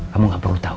kamu gak perlu tahu